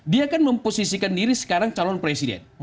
dia kan memposisikan diri sekarang calon presiden